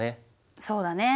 そうだね。